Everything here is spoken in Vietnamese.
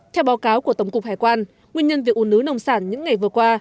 theo báo cáo của tổng cục hải quan nguyên nhân việc ủ nứ nông sản những ngày vừa qua